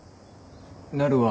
なるは。